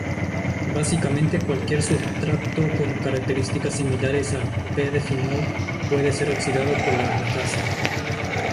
Básicamente cualquier substrato con características similares al p-difenol puede ser oxidado por la lacasa.